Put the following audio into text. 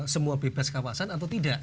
semua bebas kawasan atau tidak